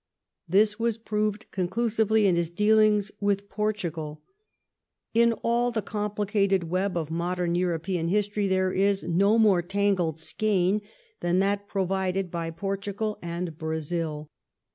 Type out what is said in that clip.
This was proved conclusively in his dealings with Portugal. Canning In all the complicated web of modern European history there is ^J^^^^^i no more tangled skein than that provided by Poi tugal and Brazil.